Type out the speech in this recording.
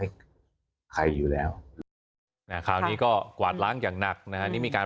ให้ใครอยู่แล้วค่ะเมื่อกกวาดล้างอย่างหนักน่ะนี่มีการ